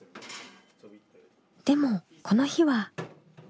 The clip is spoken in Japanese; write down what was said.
でもこの日は。